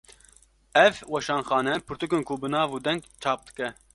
Ev weşanxane, pirtûkên bi nav û deng çap dike